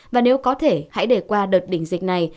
và nếu có thể hãy để qua đợt đỉnh dịch này